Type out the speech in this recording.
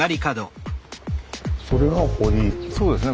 そうですね